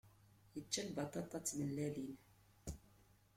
Yečča lbaṭaṭa d tmellalin.